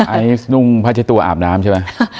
ไอซ์นุ่มพัชตัวอาบน้ำใช่ไหม